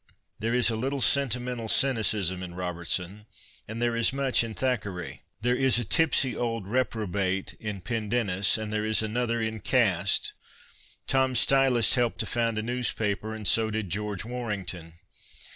Tiierc is a little sentimental cynicism in Robertson and there is much in Thackeray. There is a tipsy old reprobate in Pendennis and there is another in Caste. Tom Stylus helped to found a newspaper and so did George Warrington.